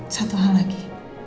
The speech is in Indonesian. satu hal lagi